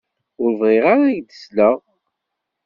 Ur bɣiɣ ara ad ak-d-sleɣ.